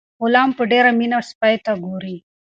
غلام په ډیره مینه سپي ته ګوري.